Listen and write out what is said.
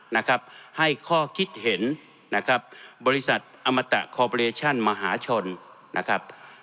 นะครับให้ข้อคิดเห็นนะครับบริษัทอมตะคอปเรชั่นมหาชนนะครับ